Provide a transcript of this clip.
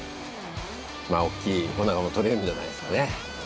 まぁ大っきいオナガもとれるんじゃないですかね